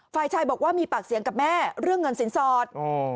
ฝ่ายชายบอกว่ามีปากเสียงกับแม่เรื่องเงินสินสอด